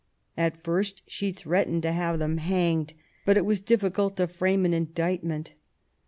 At first she threatened to have them hanged ; but it was difficult to frame an indictment.